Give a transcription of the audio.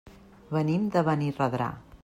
Venim de Benirredrà.